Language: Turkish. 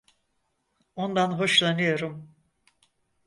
Ondan hoşlanıyorum.